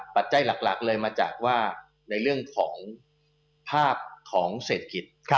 ปัจจัยหลักเลยมาจากว่าในเรื่องของภาพของเศรษฐกิจ